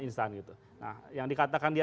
instan gitu nah yang dikatakan dia